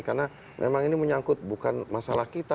karena memang ini menyangkut bukan masalah kita